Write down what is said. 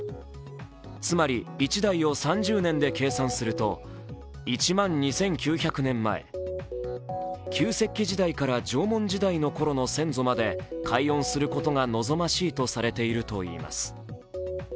つまり１代を３０年で計算すると１万２９００年前＝旧石器時代から縄文時代のころの先祖まで解怨することが望ましいとされているといいます。